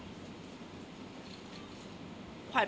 แต่ขวัญไม่สามารถสวมเขาให้แม่ขวัญได้